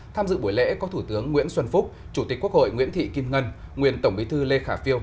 tham dự buổi lễ có thủ tướng nguyễn xuân phúc chủ tịch quốc hội nguyễn thị kim ngân nguyên tổng bí thư lê khả phiêu